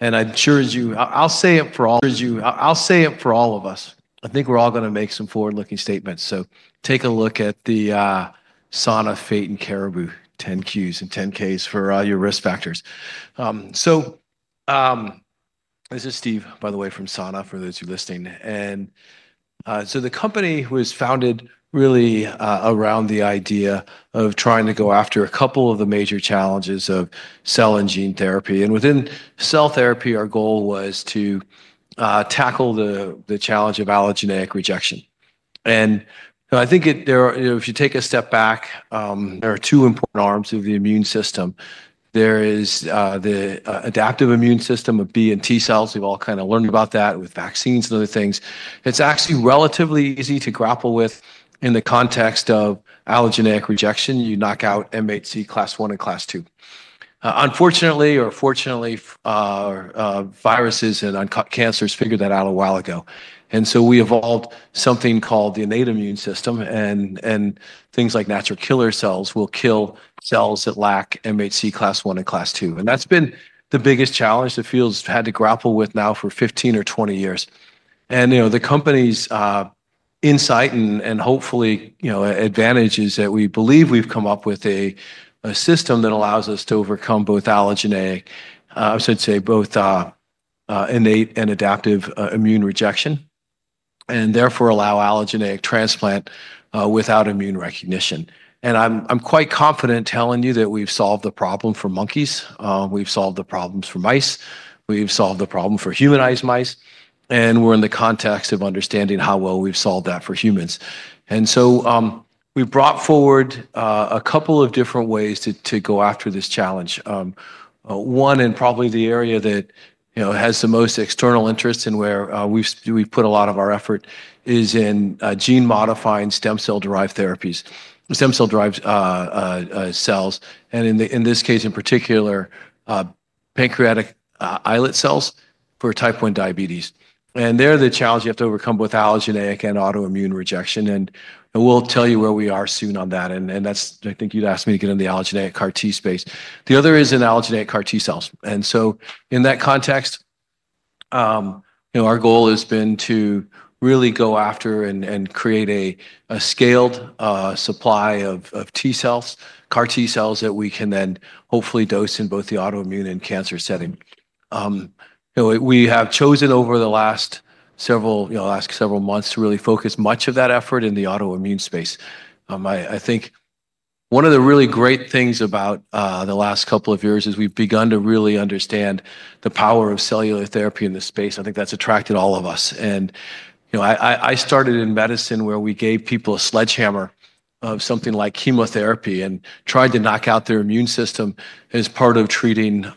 I assure you, I'll say it for all of you, I'll say it for all of us. I think we're all going to make some forward-looking statements. Take a look at the Sana, Fate, and Caribou 10-Qs and 10-Ks for all your risk factors. This is Steve, by the way, from Sana, for those who are listening. The company was founded really around the idea of trying to go after a couple of the major challenges of cell and gene therapy. Within cell therapy, our goal was to tackle the challenge of allogeneic rejection. I think it, you know, if you take a step back, there are two important arms of the immune system. There is the adaptive immune system of B and T cells. We've all kind of learned about that with vaccines and other things. It's actually relatively easy to grapple with in the context of allogeneic rejection. You knock out MHC class I and class II. Unfortunately or fortunately, viruses and cancers figured that out a while ago. And so we evolved something called the innate immune system. And things like natural killer cells will kill cells that lack MHC class I and class II. And that's been the biggest challenge the field's had to grapple with now for 15 or 20 years. And, you know, the company's insight and hopefully, you know, advantage is that we believe we've come up with a system that allows us to overcome both allogeneic, I should say both, innate and adaptive, immune rejection, and therefore allow allogeneic transplant, without immune recognition. And I'm quite confident telling you that we've solved the problem for monkeys. We've solved the problems for mice. We've solved the problem for humanized mice. And we're in the context of understanding how well we've solved that for humans. And so, we've brought forward a couple of different ways to go after this challenge. One and probably the area that, you know, has the most external interests and where we've put a lot of our effort is in gene modifying stem cell derived therapies, stem cell derived cells. And in this case in particular, pancreatic islet cells for type 1 diabetes. And they're the challenge you have to overcome with allogeneic and autoimmune rejection. And we'll tell you where we are soon on that. And that's, I think you'd asked me to get in the allogeneic CAR T space. The other is in allogeneic CAR T cells. And so in that context, you know, our goal has been to really go after and create a scaled supply of T cells, CAR T cells that we can then hopefully dose in both the autoimmune and cancer setting. You know, we have chosen over the last several months to really focus much of that effort in the autoimmune space. I think one of the really great things about the last couple of years is we've begun to really understand the power of cellular therapy in the space. I think that's attracted all of us. You know, I started in medicine where we gave people a sledgehammer of something like chemotherapy and tried to knock out their immune system as part of treating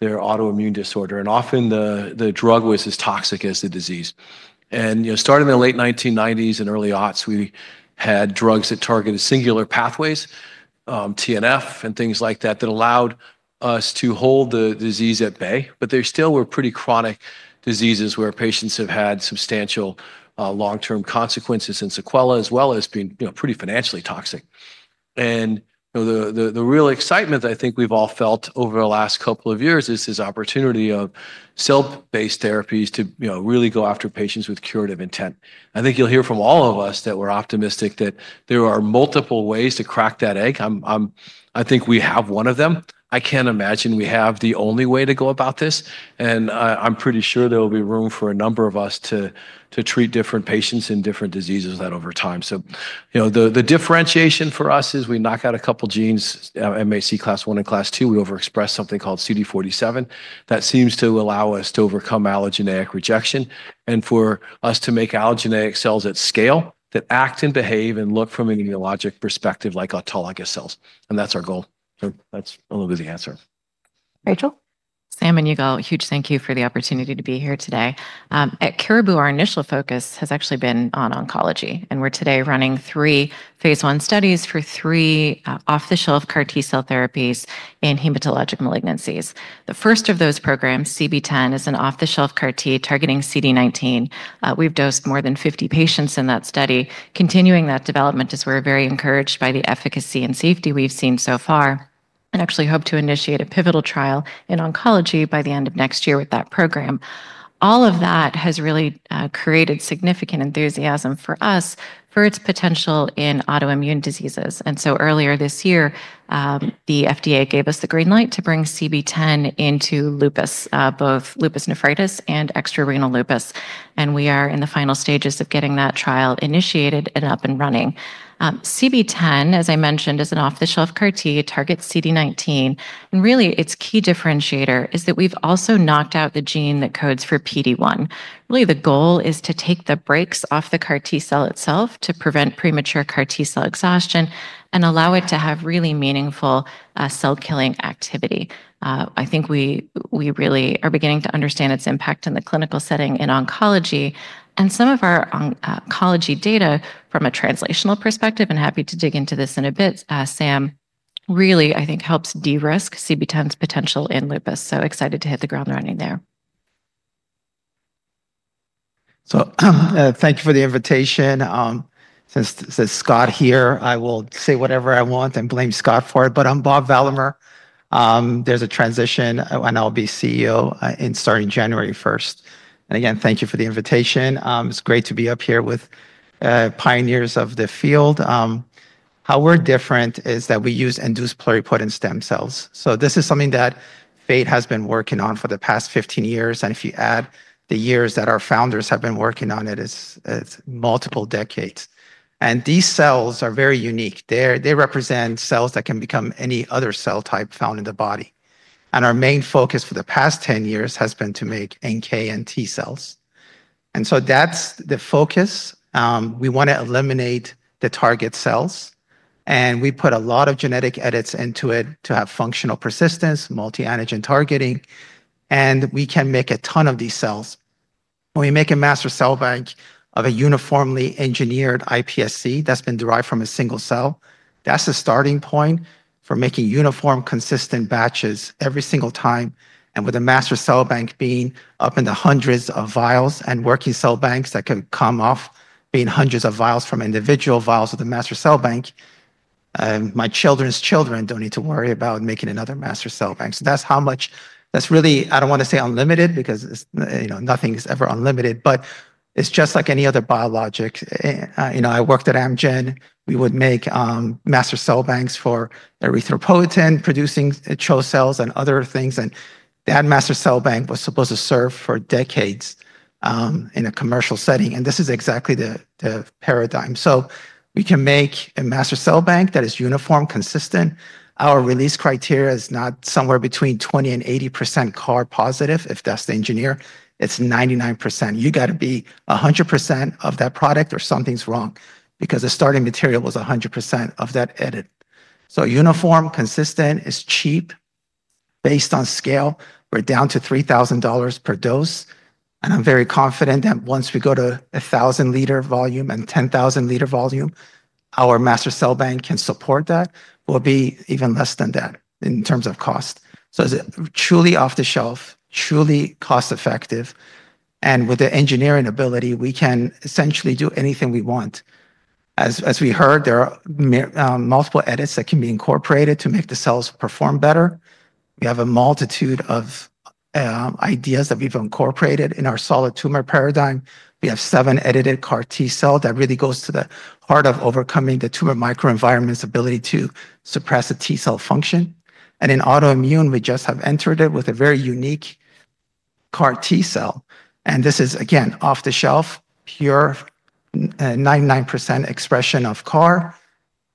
their autoimmune disorder. And often the drug was as toxic as the disease. You know, starting in the late 1990s and early aughts, we had drugs that targeted singular pathways, TNF and things like that that allowed us to hold the disease at bay. There still were pretty chronic diseases where patients have had substantial, long-term consequences and sequelae as well as being, you know, pretty financially toxic. The real excitement that I think we've all felt over the last couple of years is this opportunity of cell-based therapies to, you know, really go after patients with curative intent. I think you'll hear from all of us that we're optimistic that there are multiple ways to crack that egg. I think we have one of them. I can't imagine we have the only way to go about this. I'm pretty sure there'll be room for a number of us to treat different patients and different diseases that over time. You know, the differentiation for us is we knock out a couple of genes, MHC class I and class II. We overexpress something called CD47 that seems to allow us to overcome allogeneic rejection and for us to make allogeneic cells at scale that act and behave and look from an immunologic perspective like autologous cells. That's our goal. That's a little bit of the answer. Rachel? Sam and Yugal, huge thank you for the opportunity to be here today. At Caribou, our initial focus has actually been on oncology, and we're today running three phase one studies for three off-the-shelf CAR T cell therapies in hematologic malignancies. The first of those programs, CB‑010, is an off-the-shelf CAR T targeting CD19. We've dosed more than 50 patients in that study. Continuing that development, we're very encouraged by the efficacy and safety we've seen so far, and actually hope to initiate a pivotal trial in oncology by the end of next year with that program. All of that has really created significant enthusiasm for us for its potential in autoimmune diseases, and so earlier this year, the FDA gave us the green light to bring CB‑010 into lupus, both lupus nephritis and extra-renal lupus. We are in the final stages of getting that trial initiated and up and running. CB-010, as I mentioned, is an off-the-shelf CAR-T targeting CD19. Really its key differentiator is that we've also knocked out the gene that codes for PD-1. Really the goal is to take the brakes off the CAR-T cell itself to prevent premature CAR-T cell exhaustion and allow it to have really meaningful, cell-killing activity. I think we really are beginning to understand its impact in the clinical setting in oncology. Some of our oncology data from a translational perspective, and happy to dig into this in a bit, Sam, really I think helps de-risk CB-010's potential in lupus. Excited to hit the ground running there. So, thank you for the invitation. Since Scott's here, I will say whatever I want and blame Scott for it, but I'm Bob Valamehr. There's a transition and I'll be CEO, starting January 1st. And again, thank you for the invitation. It's great to be up here with pioneers of the field. How we're different is that we use induced pluripotent stem cells. So this is something that Fate has been working on for the past 15 years. And if you add the years that our founders have been working on, it is, it's multiple decades. And these cells are very unique. They represent cells that can become any other cell type found in the body. And our main focus for the past 10 years has been to make NK and T cells. And so that's the focus. We want to eliminate the target cells. We put a lot of genetic edits into it to have functional persistence, multi-antigen targeting. We can make a ton of these cells. When we make a master cell bank of a uniformly engineered iPSC that's been derived from a single cell, that's a starting point for making uniform, consistent batches every single time. With a master cell bank being up in the hundreds of vials and working cell banks that can come off being hundreds of vials from individual vials of the master cell bank, my children's children don't need to worry about making another master cell bank. That's how much, that's really, I don't want to say unlimited because, you know, nothing is ever unlimited, but it's just like any other biologic. You know, I worked at Amgen. We would make master cell banks for erythropoietin producing CHO cells and other things. That master cell bank was supposed to serve for decades in a commercial setting. This is exactly the paradigm. We can make a master cell bank that is uniform, consistent. Our release criteria is not somewhere between 20%-80% CAR positive. If that's the engineering, it's 99%. You got to be 100% of that product or something's wrong because the starting material was 100% of that edit. Uniform, consistent is cheap. Based on scale, we're down to $3,000 per dose. I'm very confident that once we go to a 1,000-liter volume and 10,000-liter volume, our master cell bank can support that. We'll be even less than that in terms of cost. It's truly off the shelf, truly cost effective. With the engineering ability, we can essentially do anything we want. As we heard, there are multiple edits that can be incorporated to make the cells perform better. We have a multitude of ideas that we've incorporated in our solid tumor paradigm. We have seven edited CAR T cells that really goes to the heart of overcoming the tumor microenvironment's ability to suppress the T cell function, and in autoimmune, we just have entered it with a very unique CAR T cell, and this is again off the shelf, pure, 99% expression of CAR.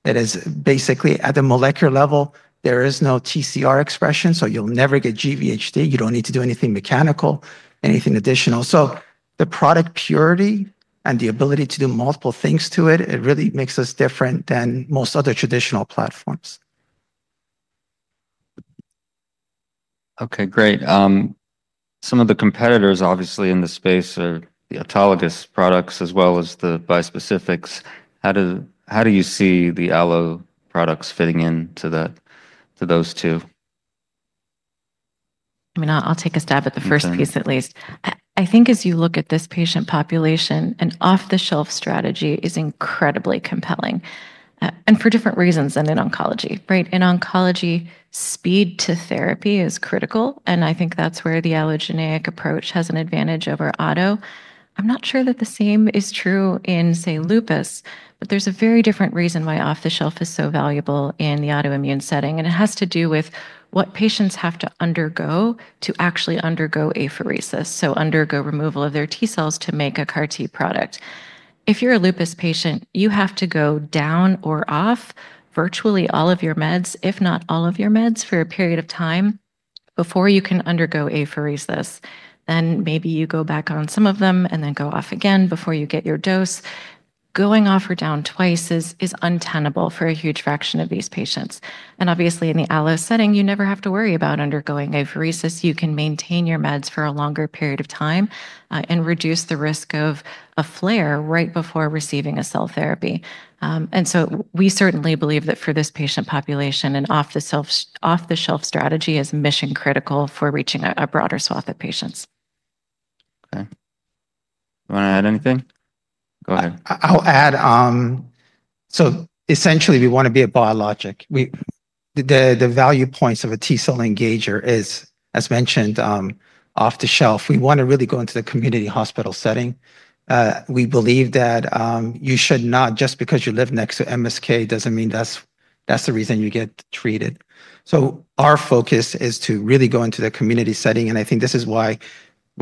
It is basically at the molecular level. There is no TCR expression, so you'll never get GVHD. You don't need to do anything mechanical, anything additional. So the product purity and the ability to do multiple things to it, it really makes us different than most other traditional platforms. Okay, great. Some of the competitors obviously in the space are the autologous products as well as the bispecifics. How do you see the allo products fitting into that, to those two? I mean, I'll take a stab at the first piece at least. I think as you look at this patient population, an off-the-shelf strategy is incredibly compelling. And for different reasons than in oncology, right? In oncology, speed to therapy is critical. And I think that's where the allogeneic approach has an advantage over auto. I'm not sure that the same is true in, say, lupus, but there's a very different reason why off-the-shelf is so valuable in the autoimmune setting. And it has to do with what patients have to undergo to actually undergo apheresis. So undergo removal of their T cells to make a CAR T product. If you're a lupus patient, you have to go down or off virtually all of your meds, if not all of your meds for a period of time before you can undergo apheresis. Then maybe you go back on some of them and then go off again before you get your dose. Going off or down twice is untenable for a huge fraction of these patients. And obviously in the allo setting, you never have to worry about undergoing apheresis. You can maintain your meds for a longer period of time, and reduce the risk of a flare right before receiving a cell therapy. And so we certainly believe that for this patient population, an off-the-shelf strategy is mission critical for reaching a broader swath of patients. Okay. You want to add anything? Go ahead. I'll add, so essentially we want to be a biologic. The value points of a T cell engager is, as mentioned, off-the-shelf. We want to really go into the community hospital setting. We believe that you should not, just because you live next to MSK doesn't mean that's the reason you get treated. So our focus is to really go into the community setting. And I think this is why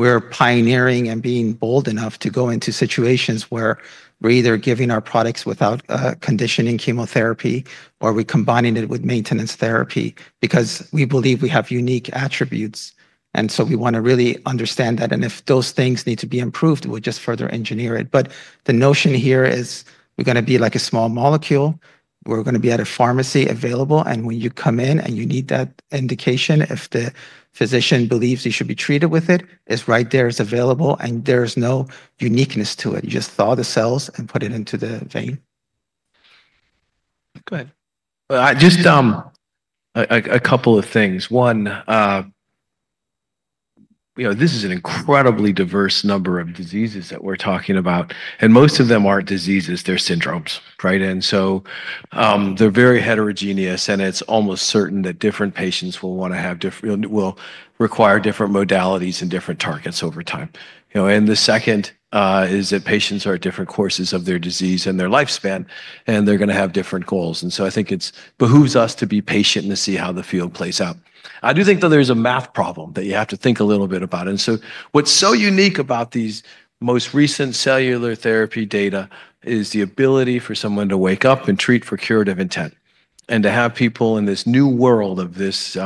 we're pioneering and being bold enough to go into situations where we're either giving our products without conditioning chemotherapy or we're combining it with maintenance therapy because we believe we have unique attributes. And so we want to really understand that. And if those things need to be improved, we'll just further engineer it. But the notion here is we're going to be like a small molecule. We're going to be at a pharmacy available. When you come in and you need that indication, if the physician believes you should be treated with it, it's right there, it's available, and there's no uniqueness to it. You just thaw the cells and put it into the vein. Go ahead. I just a couple of things. One, you know, this is an incredibly diverse number of diseases that we're talking about. And most of them aren't diseases, they're syndromes, right? And so, they're very heterogeneous and it's almost certain that different patients will want to have different, will require different modalities and different targets over time. You know, and the second, is that patients are at different courses of their disease and their lifespan and they're going to have different goals. And so I think it behooves us to be patient and to see how the field plays out. I do think that there's a math problem that you have to think a little bit about. And so what's so unique about these most recent cellular therapy data is the ability for someone to wake up and treat for curative intent and to have people in this new world of this,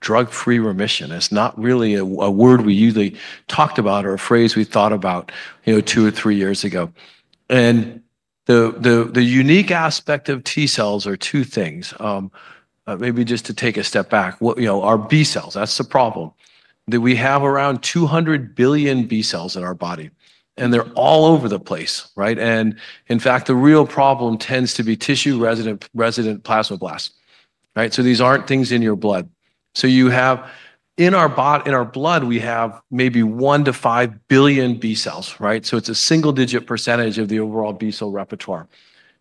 drug-free remission. It's not really a word we usually talked about or a phrase we thought about, you know, two or three years ago. And the unique aspect of T cells are two things. Maybe just to take a step back, what, you know, our B cells, that's the problem that we have around 200 billion B cells in our body and they're all over the place, right? And in fact, the real problem tends to be tissue resident plasma blasts, right? So these aren't things in your blood. So you have in our blood, we have maybe one to five billion B cells, right? It's a single-digit percentage of the overall B cell repertoire.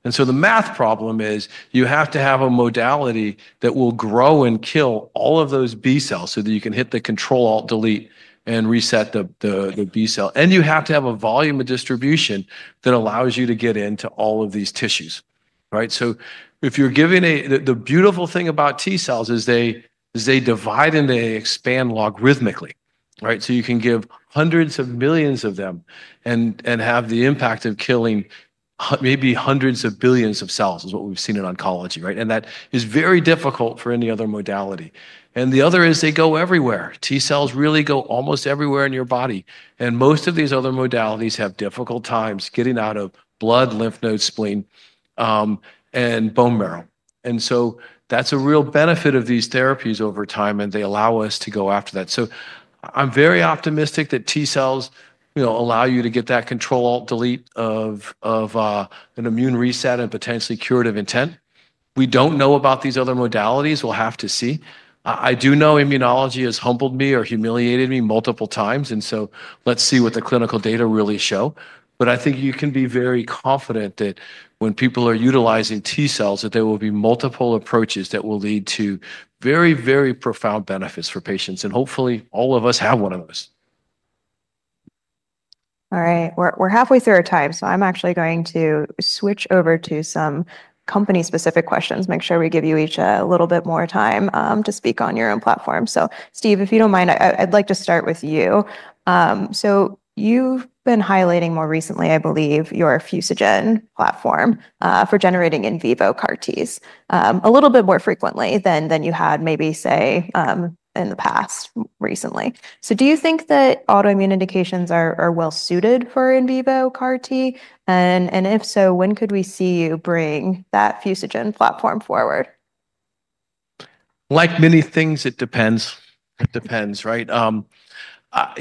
And so the math problem is you have to have a modality that will grow and kill all of those B cells so that you can hit the control alt delete and reset the B cell. And you have to have a volume of distribution that allows you to get into all of these tissues, right? So if you're giving the beautiful thing about T cells is they divide and they expand logarithmically, right? So you can give hundreds of millions of them and have the impact of killing maybe hundreds of billions of cells is what we've seen in oncology, right? And that is very difficult for any other modality. And the other is they go everywhere. T cells really go almost everywhere in your body. And most of these other modalities have difficult times getting out of blood, lymph nodes, spleen, and bone marrow. And so that's a real benefit of these therapies over time. And they allow us to go after that. So I'm very optimistic that T cells, you know, allow you to get that control alt delete of an immune reset and potentially curative intent. We don't know about these other modalities. We'll have to see. I do know immunology has humbled me or humiliated me multiple times. And so let's see what the clinical data really show. But I think you can be very confident that when people are utilizing T cells, that there will be multiple approaches that will lead to very, very profound benefits for patients. And hopefully all of us have one of those. All right. We're halfway through our time. So I'm actually going to switch over to some company specific questions, make sure we give you each a little bit more time, to speak on your own platform. So Steve, if you don't mind, I'd like to start with you. So you've been highlighting more recently, I believe your Fusogen platform, for generating in vivo CAR Ts, a little bit more frequently than you had maybe say, in the past recently. So do you think that autoimmune indications are well suited for in vivo CAR T? And if so, when could we see you bring that Fusogen platform forward? Like many things, it depends. It depends, right? You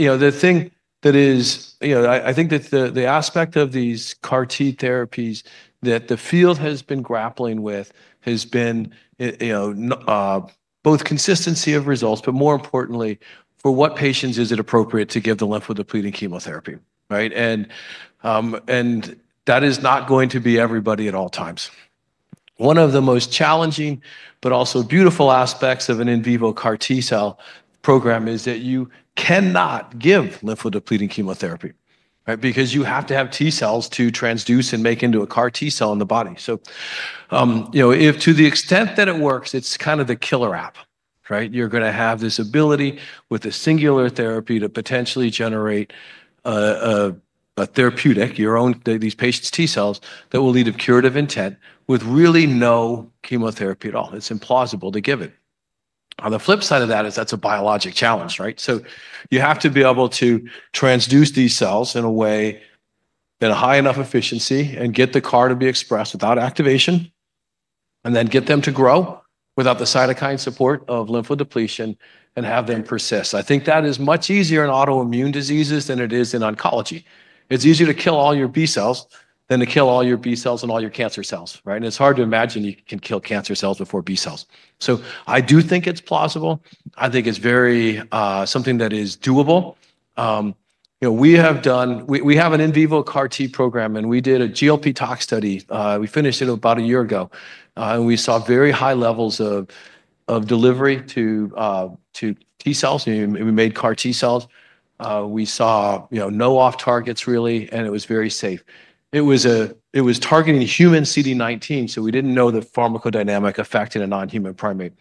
know, the thing that is, you know, I think that the aspect of these CAR T therapies that the field has been grappling with has been, you know, both consistency of results, but more importantly, for what patients is it appropriate to give the lymphodepleting chemotherapy, right? And that is not going to be everybody at all times. One of the most challenging, but also beautiful aspects of an in vivo CAR T cell program is that you cannot give lymphodepleting chemotherapy, right? Because you have to have T cells to transduce and make into a CAR T cell in the body. So, you know, if to the extent that it works, it's kind of the killer app, right? You're going to have this ability with a singular therapy to potentially generate a therapeutic, your own, these patients' T cells that will lead to curative intent with really no chemotherapy at all. It's implausible to give it. On the flip side of that is, that's a biologic challenge, right? So you have to be able to transduce these cells in a way that a high enough efficiency and get the CAR to be expressed without activation and then get them to grow without the cytokine support of lymphodepletion and have them persist. I think that is much easier in autoimmune diseases than it is in oncology. It's easier to kill all your B cells than to kill all your B cells and all your cancer cells, right? It's hard to imagine you can kill cancer cells before B cells. I do think it's plausible. I think it's very something that is doable, you know. We have an in vivo CAR T program and we did a GLP tox study. We finished it about a year ago, and we saw very high levels of delivery to T cells. We made CAR T cells. We saw, you know, no off-targets really, and it was very safe. It was targeting human CD19. So we didn't know the pharmacodynamic effect in a non-human primate,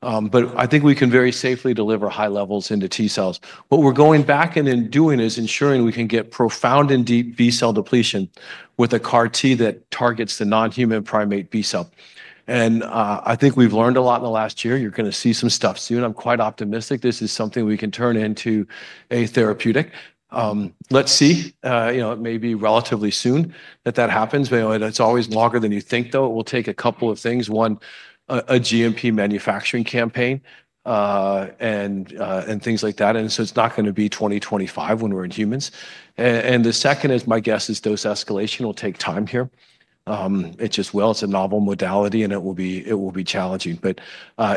but I think we can very safely deliver high levels into T cells. What we're going back and doing is ensuring we can get profound and deep B cell depletion with a CAR T that targets the non-human primate B cell. And I think we've learned a lot in the last year. You're going to see some stuff soon. I'm quite optimistic. This is something we can turn into a therapeutic. Let's see, you know, it may be relatively soon that that happens, but it's always longer than you think though. It will take a couple of things. One, a GMP manufacturing campaign, and things like that, and so it's not going to be 2025 when we're in humans, and the second is my guess is dose escalation will take time here. It just, well, it's a novel modality and it will be, it will be challenging, but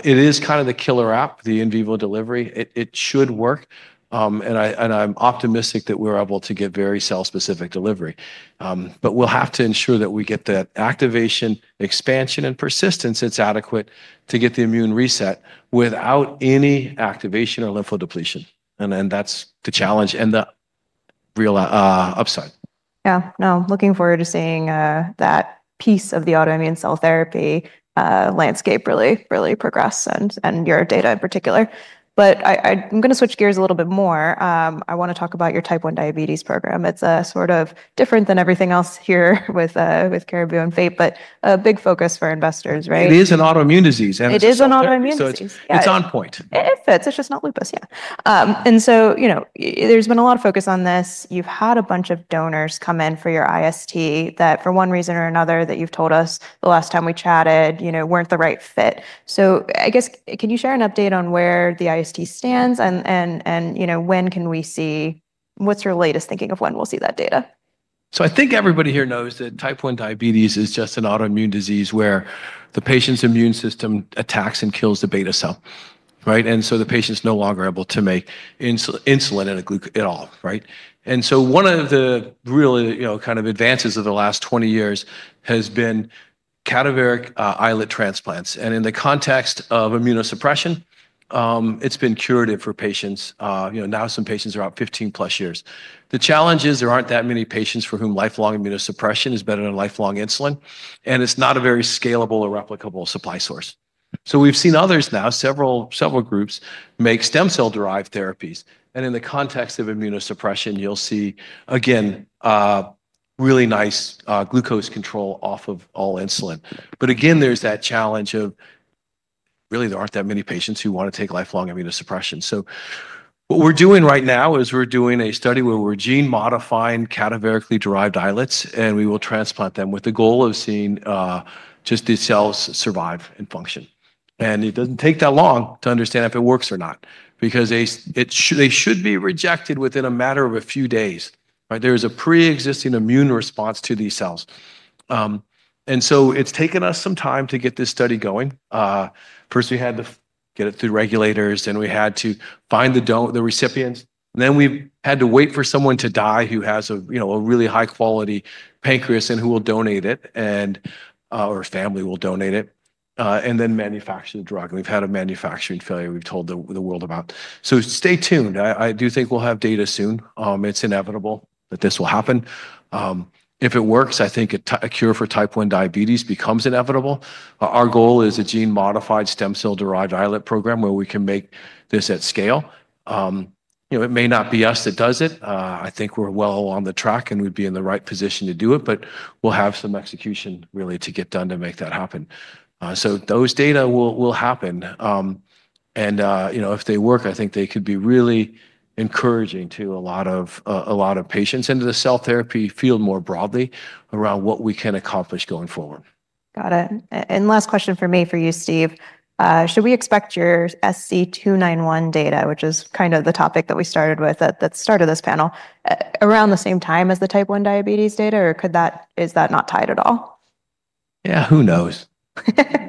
it is kind of the killer app, the in vivo delivery. It should work, and I'm optimistic that we're able to get very cell specific delivery, but we'll have to ensure that we get that activation, expansion, and persistence. It's adequate to get the immune reset without any activation or lymphodepletion. That's the challenge and the real upside. Yeah. No, looking forward to seeing that piece of the autoimmune cell therapy landscape really, really progress and your data in particular. But I'm going to switch gears a little bit more. I want to talk about your type 1 diabetes program. It's a sort of different than everything else here with Caribou and Fate, but a big focus for investors, right? It is an autoimmune disease. It is an autoimmune disease. It's on point. It fits. It's just not lupus. Yeah, and so, you know, there's been a lot of focus on this. You've had a bunch of donors come in for your IST that for one reason or another that you've told us the last time we chatted, you know, weren't the right fit. So I guess, can you share an update on where the IST stands and, you know, when can we see, what's your latest thinking of when we'll see that data? I think everybody here knows that type 1 diabetes is just an autoimmune disease where the patient's immune system attacks and kills the beta cell, right? And so the patient's no longer able to make insulin and glucagon at all, right? And so one of the really, you know, kind of advances of the last 20 years has been cadaveric islet transplants. And in the context of immunosuppression, it's been curative for patients, you know, now some patients are out 15 plus years. The challenge is there aren't that many patients for whom lifelong immunosuppression is better than lifelong insulin. And it's not a very scalable or replicable supply source. So we've seen others now, several, several groups make stem cell derived therapies. And in the context of immunosuppression, you'll see again, really nice, glucose control off of all insulin. But again, there's that challenge of really, there aren't that many patients who want to take lifelong immunosuppression. So what we're doing right now is we're doing a study where we're gene modifying cadaverically derived islets and we will transplant them with the goal of seeing just these cells survive and function. It doesn't take that long to understand if it works or not because it should, they should be rejected within a matter of a few days, right? There is a pre-existing immune response to these cells, and so it's taken us some time to get this study going. First we had to get it through regulators and we had to find the donor, the recipients, and then we've had to wait for someone to die who has a, you know, a really high quality pancreas and who will donate it and, or family will donate it, and then manufacture the drug, and we've had a manufacturing failure we've told the, the world about, so stay tuned. I, I do think we'll have data soon. It's inevitable that this will happen. If it works, I think a, a cure for type 1 diabetes becomes inevitable. Our goal is a gene modified stem cell derived islet program where we can make this at scale. You know, it may not be us that does it. I think we're well on the track and we'd be in the right position to do it, but we'll have some execution really to get done to make that happen, so those data will happen, and you know, if they work, I think they could be really encouraging to a lot of patients and to the cell therapy field more broadly around what we can accomplish going forward. Got it. And last question for me for you, Steve, should we expect your SC291 data, which is kind of the topic that we started with at the start of this panel, around the same time as the type 1 diabetes data or could that, is that not tied at all? Yeah, who knows?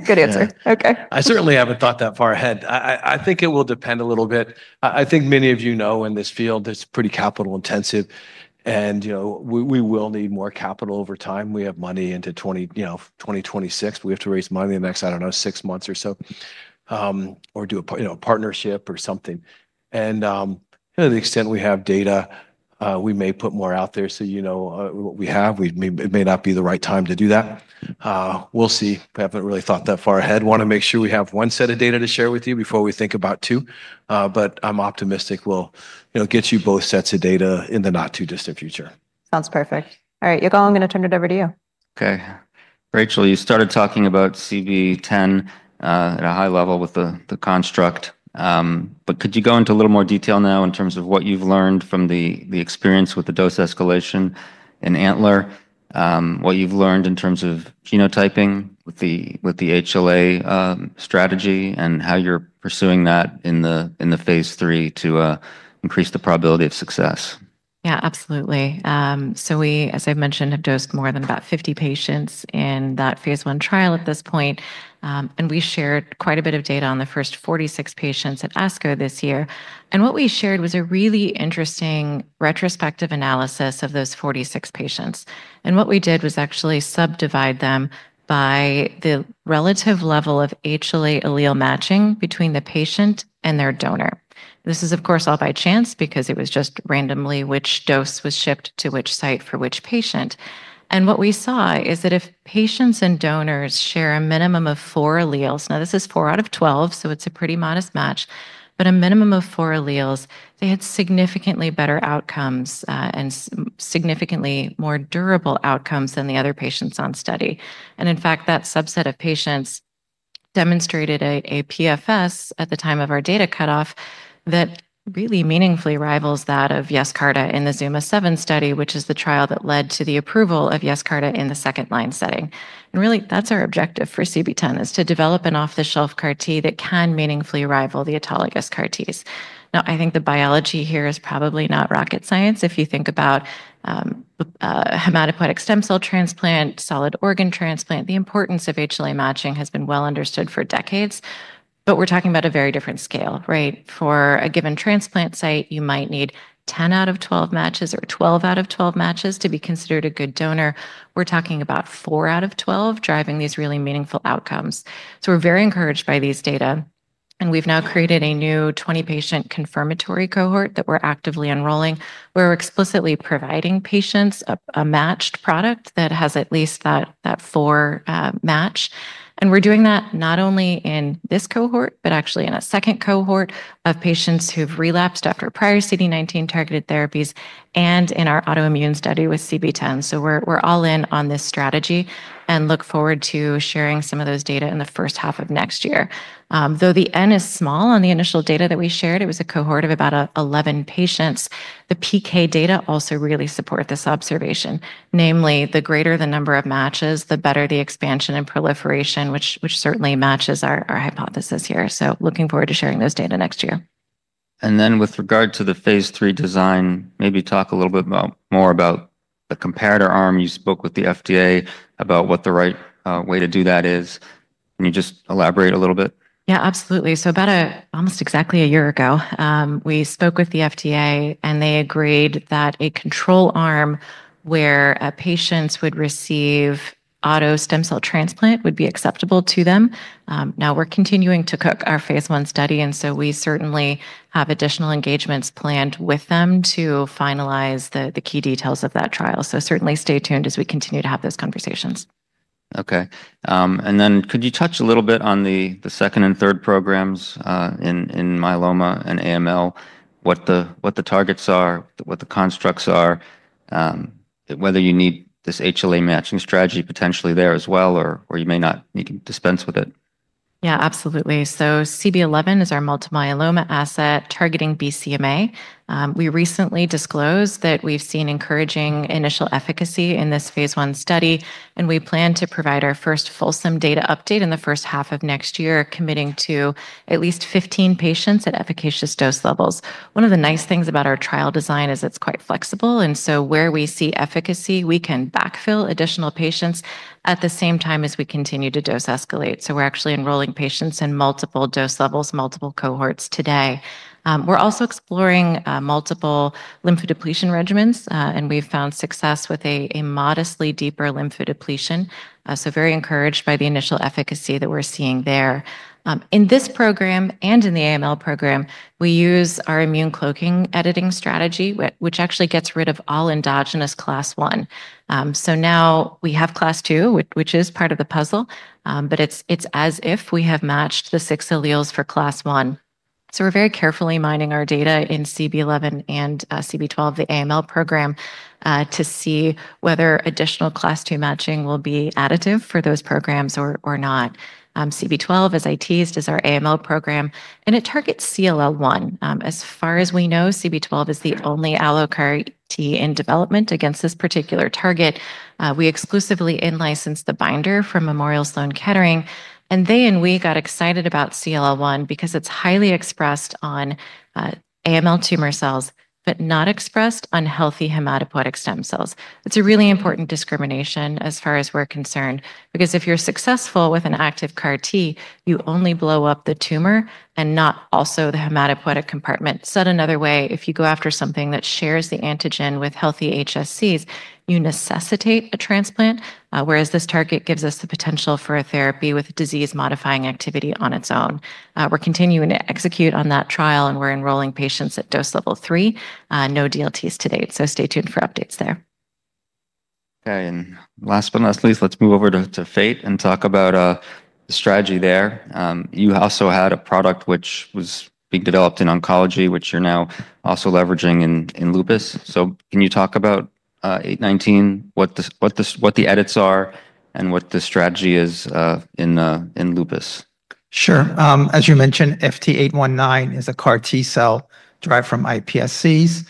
Good answer. Okay. I certainly haven't thought that far ahead. I think it will depend a little bit. I think many of you know in this field, it's pretty capital intensive and, you know, we will need more capital over time. We have money into 2026. We have to raise money the next, I don't know, six months or so, or do a partnership or something. To the extent we have data, we may put more out there. So, you know, what we have, we may, it may not be the right time to do that. We'll see. We haven't really thought that far ahead. We want to make sure we have one set of data to share with you before we think about two. But I'm optimistic we'll, you know, get you both sets of data in the not too distant future. Sounds perfect. All right. Iacono, I'm going to turn it over to you. Okay. Rachel, you started talking about CB-010, at a high level with the construct. But could you go into a little more detail now in terms of what you've learned from the experience with the dose escalation in ANTLER, what you've learned in terms of genotyping with the HLA strategy and how you're pursuing that in the phase 3 to increase the probability of success? Yeah, absolutely, so we, as I've mentioned, have dosed more than about 50 patients in that phase one trial at this point, and we shared quite a bit of data on the first 46 patients at ASCO this year, and what we shared was a really interesting retrospective analysis of those 46 patients, and what we did was actually subdivide them by the relative level of HLA allele matching between the patient and their donor. This is of course all by chance because it was just randomly which dose was shipped to which site for which patient, and what we saw is that if patients and donors share a minimum of four alleles, now this is four out of 12, so it's a pretty modest match, but a minimum of four alleles, they had significantly better outcomes, and significantly more durable outcomes than the other patients on study. And in fact, that subset of patients demonstrated a PFS at the time of our data cutoff that really meaningfully rivals that of Yescarta in the ZUMA-7 study, which is the trial that led to the approval of Yescarta in the second-line setting. And really that's our objective for CB-010 is to develop an off-the-shelf CAR T that can meaningfully rival the autologous CAR Ts. Now, I think the biology here is probably not rocket science. If you think about hematopoietic stem cell transplant, solid organ transplant, the importance of HLA matching has been well understood for decades, but we're talking about a very different scale, right? For a given transplant site, you might need 10 out of 12 matches or 12 out of 12 matches to be considered a good donor. We're talking about four out of 12 driving these really meaningful outcomes. So we're very encouraged by these data. And we've now created a new 20-patient confirmatory cohort that we're actively enrolling. We're explicitly providing patients a matched product that has at least that four-match. And we're doing that not only in this cohort, but actually in a second cohort of patients who've relapsed after prior CD19 targeted therapies and in our autoimmune study with CB‑010. So we're all in on this strategy and look forward to sharing some of those data in the first half of next year. Though the N is small on the initial data that we shared, it was a cohort of about 11 patients. The PK data also really support this observation, namely the greater the number of matches, the better the expansion and proliferation, which certainly matches our hypothesis here. So looking forward to sharing those data next year. And then with regard to the phase three design, maybe talk a little bit more about the comparator arm. You spoke with the FDA about what the right way to do that is. Can you just elaborate a little bit? Yeah, absolutely. So about almost exactly a year ago, we spoke with the FDA and they agreed that a control arm where patients would receive auto stem cell transplant would be acceptable to them. Now we're continuing to cook our phase one study, and so we certainly have additional engagements planned with them to finalize the key details of that trial. So certainly stay tuned as we continue to have those conversations. Okay. And then could you touch a little bit on the second and third programs, in myeloma and AML, what the targets are, what the constructs are, whether you need this HLA matching strategy potentially there as well, or you may not need to dispense with it? Yeah, absolutely. So CB-011 is our multiple myeloma asset targeting BCMA. We recently disclosed that we've seen encouraging initial efficacy in this phase 1 study, and we plan to provide our first fulsome data update in the first half of next year, committing to at least 15 patients at efficacious dose levels. One of the nice things about our trial design is it's quite flexible, and so where we see efficacy, we can backfill additional patients at the same time as we continue to dose escalate. So we're actually enrolling patients in multiple dose levels, multiple cohorts today. We're also exploring multiple lymphodepletion regimens, and we've found success with a modestly deeper lymphodepletion, so very encouraged by the initial efficacy that we're seeing there. In this program and in the AML program, we use our immune cloaking editing strategy, which actually gets rid of all endogenous class I. So now we have class II, which is part of the puzzle, but it's as if we have matched the six alleles for class I. So we're very carefully mining our data in CB-011 and CB-012, the AML program, to see whether additional class II matching will be additive for those programs or not. CB-012 is our AML program, and it targets CLL-1. As far as we know, CB-012 is the only allogeneic CAR T in development against this particular target. We exclusively in-license the binder from Memorial Sloan Kettering, and they and we got excited about CLL-1 because it's highly expressed on AML tumor cells, but not expressed on healthy hematopoietic stem cells. It's a really important discrimination as far as we're concerned, because if you're successful with an active CAR T, you only blow up the tumor and not also the hematopoietic compartment. Said another way, if you go after something that shares the antigen with healthy HSCs, you necessitate a transplant, whereas this target gives us the potential for a therapy with disease modifying activity on its own. We're continuing to execute on that trial and we're enrolling patients at dose level three. No DLTs to date, so stay tuned for updates there. Okay. And last but not least, let's move over to Fate and talk about the strategy there. You also had a product which was being developed in oncology, which you're now also leveraging in lupus. So can you talk about FT819, what the edits are and what the strategy is in lupus? Sure. As you mentioned, FT819 is a CAR T cell derived from iPSCs.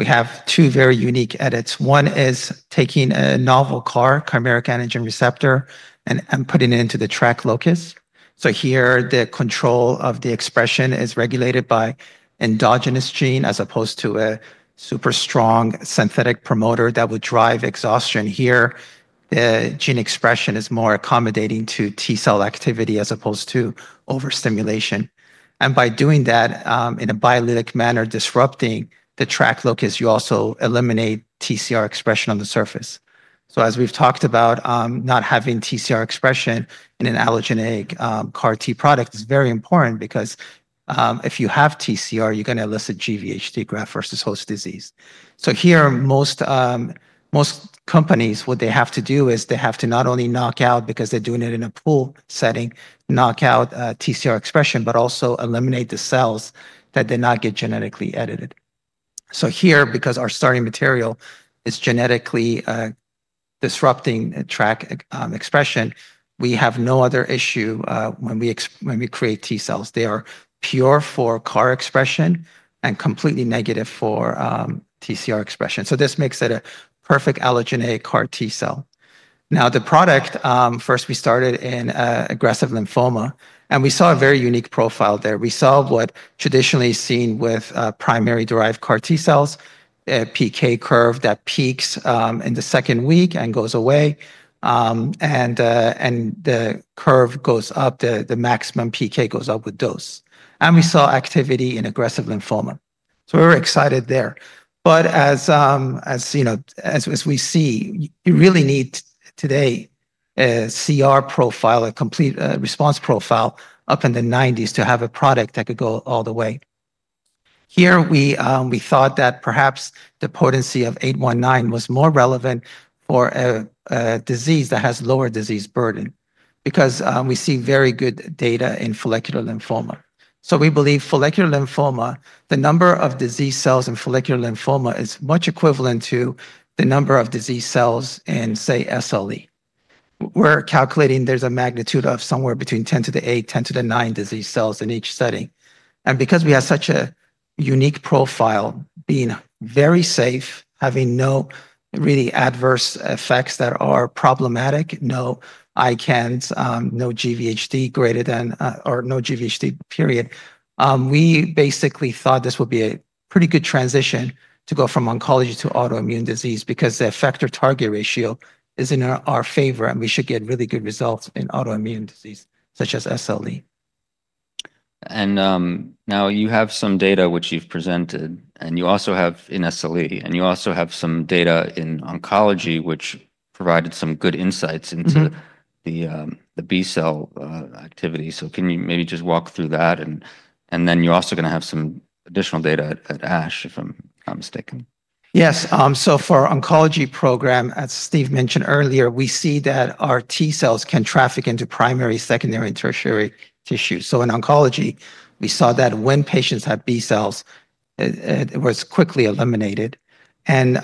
We have two very unique edits. One is taking a novel CAR, chimeric antigen receptor, and putting it into the TRAC locus. So here the control of the expression is regulated by endogenous gene as opposed to a super strong synthetic promoter that would drive exhaustion. Here the gene expression is more accommodating to T cell activity as opposed to overstimulation. And by doing that, in a biallelic manner, disrupting the TRAC locus, you also eliminate TCR expression on the surface. So as we've talked about, not having TCR expression in an allogeneic CAR T product is very important because, if you have TCR, you're going to elicit GVHD, graft-versus-host disease. So here most companies, what they have to do is they have to not only knock out, because they're doing it in a pool setting, knock out TCR expression, but also eliminate the cells that did not get genetically edited. Here, because our starting material is genetically disrupting TRAC expression, we have no other issue when we create T cells. They are pure for CAR expression and completely negative for TCR expression. This makes it a perfect allogeneic CAR T cell. Now the product, first we started in aggressive lymphoma and we saw a very unique profile there. We saw what traditionally is seen with primary derived CAR T cells, a PK curve that peaks in the second week and goes away, and the curve goes up, the maximum PK goes up with dose. We saw activity in aggressive lymphoma. So we were excited there. But as you know, as we see, you really need today a CR profile, a complete response profile up in the nineties to have a product that could go all the way. Here we thought that perhaps the potency of 819 was more relevant for a disease that has lower disease burden because we see very good data in follicular lymphoma. So we believe follicular lymphoma, the number of disease cells in follicular lymphoma is much equivalent to the number of disease cells in, say, SLE. We're calculating there's a magnitude of somewhere between 10 to the eight, 10 to the nine disease cells in each setting. And because we have such a unique profile, being very safe, having no really adverse effects that are problematic, no ICANS, no GVHD greater than, or no GVHD period. We basically thought this would be a pretty good transition to go from oncology to autoimmune disease because the effector target ratio is in our favor and we should get really good results in autoimmune disease such as SLE. Now you have some data which you've presented and you also have in SLE and you also have some data in oncology, which provided some good insights into the B cell activity. Can you maybe just walk through that and then you're also going to have some additional data at ASH if I'm not mistaken. Yes. So for our oncology program, as Steve mentioned earlier, we see that our T cells can traffic into primary, secondary, and tertiary tissue. So in oncology, we saw that when patients had B cells, it was quickly eliminated and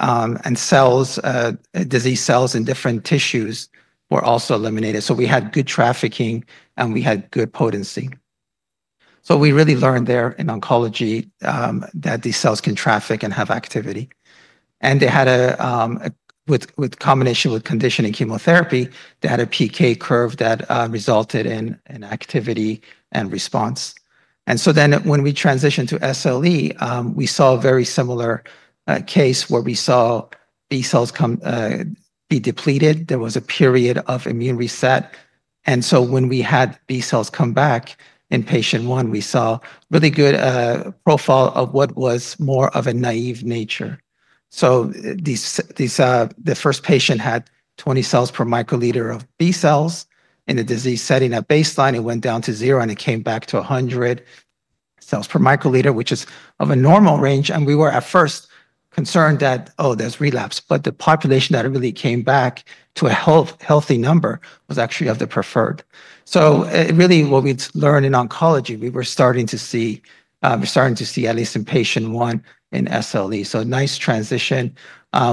disease cells in different tissues were also eliminated. So we had good trafficking and we had good potency. So we really learned there in oncology, that these cells can traffic and have activity. And they had, with combination with conditioning chemotherapy, a PK curve that resulted in activity and response. And so then when we transitioned to SLE, we saw a very similar case where we saw B cells be depleted. There was a period of immune reset. When we had B cells come back in patient one, we saw a really good profile of what was more of a naive nature. These, the first patient had 20 cells per microliter of B cells in the disease setting at baseline. It went down to zero and it came back to a hundred cells per microliter, which is of a normal range. We were at first concerned that, oh, there's relapse, but the population that really came back to a healthy number was actually of the preferred. What we learned in oncology, we were starting to see at least in patient one in SLE. A nice transition.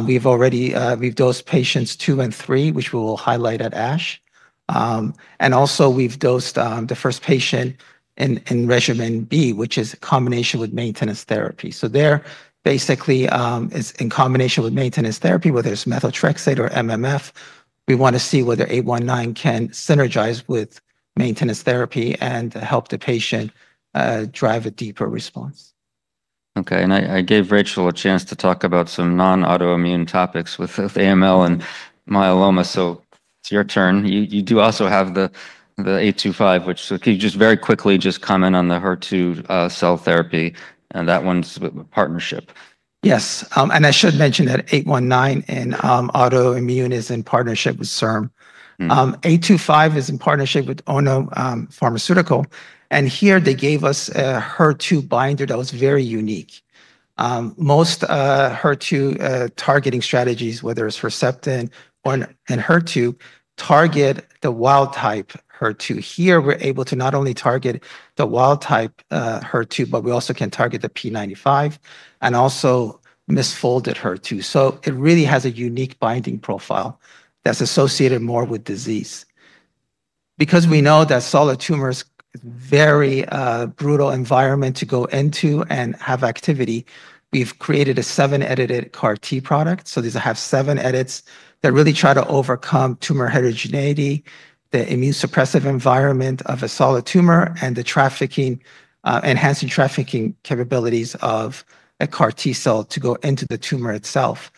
We've already dosed patients two and three, which we will highlight at ASH. And also we've dosed the first patient in regimen B, which is a combination with maintenance therapy. So there basically is in combination with maintenance therapy, whether it's methotrexate or MMF, we want to see whether FT819 can synergize with maintenance therapy and help the patient drive a deeper response. Okay. And I gave Rachel a chance to talk about some non-autoimmune topics with AML and myeloma. So it's your turn. You do also have the 825, so can you just very quickly just comment on the HER2 cell therapy and that one's partnership? Yes. And I should mention that 819 in autoimmune is in partnership with CIRM. 825 is in partnership with Ono Pharmaceutical. And here they gave us a HER2 binder that was very unique. Most HER2 targeting strategies, whether it's Herceptin or Enhertu, and HER2 target the wild type HER2. Here we're able to not only target the wild type HER2, but we also can target the P95 and also misfolded HER2. So it really has a unique binding profile that's associated more with disease. Because we know that solid tumor is a very brutal environment to go into and have activity, we've created a seven edited CAR T product. So these have seven edits that really try to overcome tumor heterogeneity, the immune suppressive environment of a solid tumor, and the trafficking, enhancing trafficking capabilities of a CAR T cell to go into the tumor itself.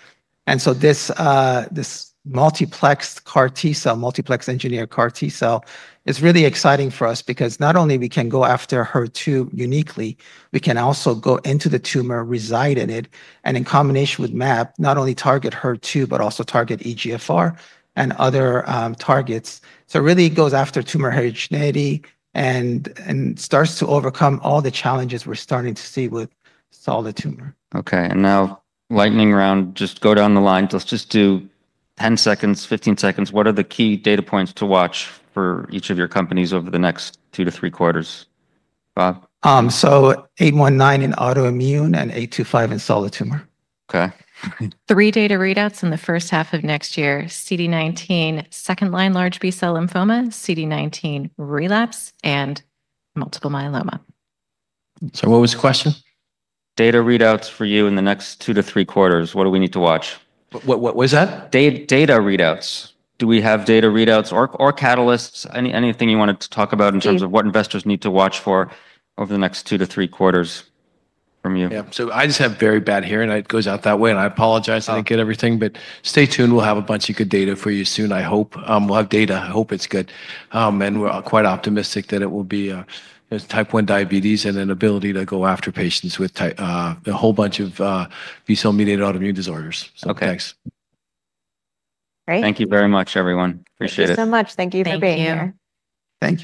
This multiplexed CAR T cell, multiplexed engineered CAR T cell is really exciting for us because not only we can go after HER2 uniquely, we can also go into the tumor, reside in it, and in combination with mAb, not only target HER2, but also target EGFR and other targets. It really goes after tumor heterogeneity and starts to overcome all the challenges we're starting to see with solid tumor. Okay. And now lightning round, just go down the line. Let's just do 10 seconds, 15 seconds. What are the key data points to watch for each of your companies over the next two to three quarters? Bob. So FT819 in autoimmune and FT825 in solid tumor. Okay. Three data readouts in the first half of next year. CD19, second line large B cell lymphoma, CD19 relapse, and multiple myeloma. What was the question? Data readouts for you in the next two to three quarters. What do we need to watch? What was that? Data readouts. Do we have data readouts or catalysts? Anything you wanted to talk about in terms of what investors need to watch for over the next two to three quarters from you? Yeah. So I just have very bad hearing and it goes out that way. I apologize, I didn't get everything, but stay tuned. We'll have a bunch of good data for you soon. I hope, we'll have data. I hope it's good. We're quite optimistic that it will be, type 1 diabetes and an ability to go after patients with type 1, a whole bunch of, B cell mediated autoimmune disorders. So thanks. Okay. Thank you very much, everyone. Appreciate it. Thank you so much. Thank you for being here. Thank you. Thank you.